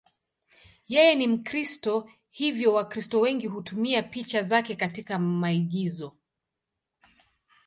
Yeye ni Mkristo, hivyo Wakristo wengi hutumia picha zake katika maigizo.